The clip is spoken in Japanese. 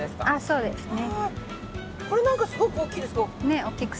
そうですね。